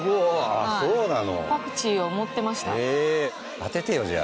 当ててよじゃあ。